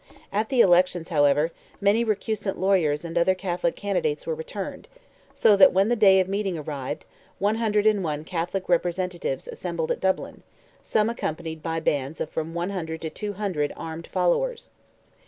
At the elections, however, many "recusant lawyers" and other Catholic candidates were returned, so that when the day of meeting arrived, 101 Catholic representatives assembled at Dublin, some accompanied by bands of from 100 to 200 armed followers.